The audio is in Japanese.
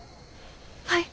はい。